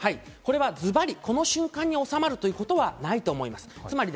ズバリこの瞬間に収まるということはないと思います。